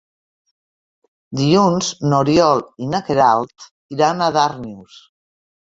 Dilluns n'Oriol i na Queralt iran a Darnius.